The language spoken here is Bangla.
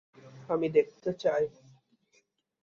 আমি দেখতে চাই।